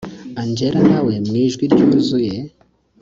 angella nawe mwijwi ryuzuye